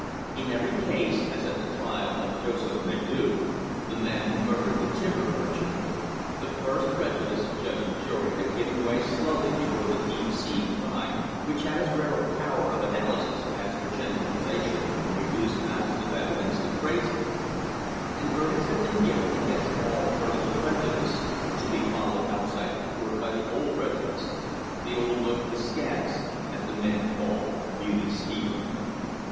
In every case, as at the trial of Joseph Nadeau, the man who murdered the timber merchant, the first prejudice of judge and jury had given way slowly before the deep seeing mind, which had as rare a power of analysis as for generalisation, and reduced masses of evidence to phrases; and verdicts had been given against all personal prejudice to be followed outside the court by the old prejudice, the old look askance at the man called Beauty Steele.